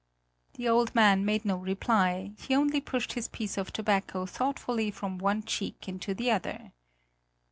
The old man made no reply; he only pushed his piece of tobacco thoughtfully from one cheek into the other.